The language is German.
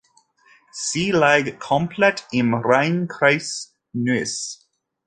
Sie lag komplett im Rhein-Kreis Neuss.